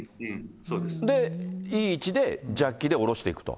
で、いい位置でジャッキで降ろしていくと。